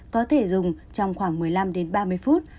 có thể dùng trong khoảng một mươi năm đến ba mươi phút